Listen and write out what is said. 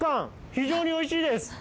非常においしいです！